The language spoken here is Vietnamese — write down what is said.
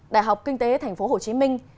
đại học kinh tế thành phố hồ chí minh